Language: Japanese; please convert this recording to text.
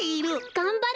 がんばれ！